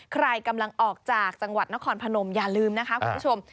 ใครกำลังออกจากจังหวัดนครพนมอย่าลืมนะคะคุณผู้ชม